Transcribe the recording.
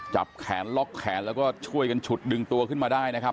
จับแขนล็อกแขนแล้วก็ช่วยกันฉุดดึงตัวขึ้นมาได้นะครับ